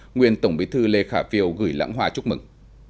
nguyên tổng bí thư lê khả phiêu gửi lãng hoa chúc mừng